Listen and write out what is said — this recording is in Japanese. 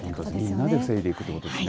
みんなで防いでいくということですね。